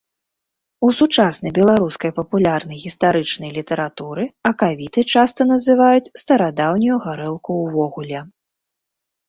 У сучаснай беларускай папулярнай гістарычнай літаратуры акавітай часта называюць старадаўнюю гарэлку ўвогуле.